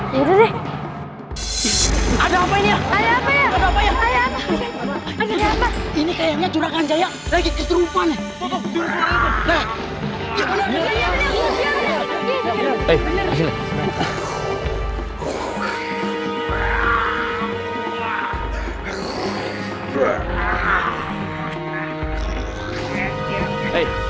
ya udah deh